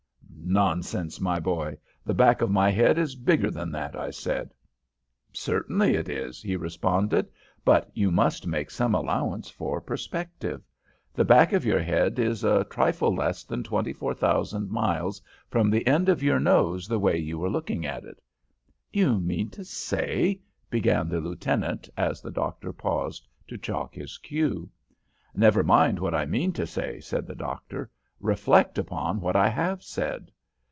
"'Nonsense, my boy! The back of my head is bigger than that,' I said. "'Certainly it is,' he responded; 'but you must make some allowance for perspective. The back of your head is a trifle less than twenty four thousand miles from the end of your nose the way you were looking at it.'" "You mean to say " began the lieutenant, as the doctor paused to chalk his cue. "Never mind what I mean to say," said the doctor. "Reflect upon what I have said."